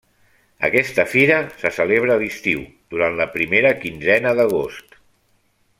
Aquesta fira se celebra a l'estiu, durant la primera quinzena d'agost.